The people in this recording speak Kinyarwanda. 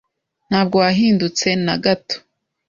Ntabwo wahindutse na gato.